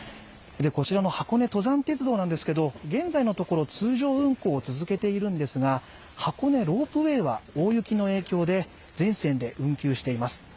こちらの箱根登山鉄道なんですけど、現在のところ、通常運行を続けているんですが、箱根ロープウェイは大雪の影響で全線で運休しています。